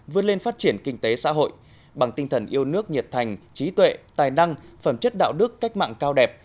vươn lên phát triển kinh tế xã hội bằng tinh thần yêu nước nhiệt thành trí tuệ tài năng phẩm chất đạo đức cách mạng cao đẹp